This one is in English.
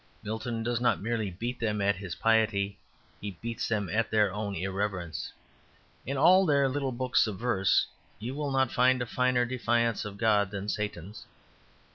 Milton does not merely beat them at his piety, he beats them at their own irreverence. In all their little books of verse you will not find a finer defiance of God than Satan's.